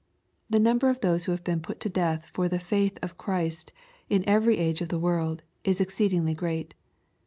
The number of those who have been put to death for the faith of Christ in every age of the world, is exceedingly great.